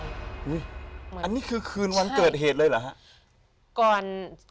อันนี้คือคืนวันเกิดเหตุเลยเหรอฮะ